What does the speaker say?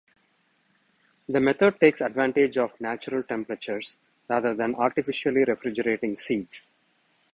The method takes advantage of natural temperatures, rather than artificially refrigerating seeds.